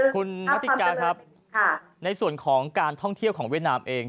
คุณนาฬิกาครับในส่วนของการท่องเที่ยวของเวียดนามเอง